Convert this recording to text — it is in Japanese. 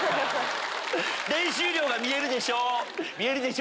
練習量が見えるでしょ？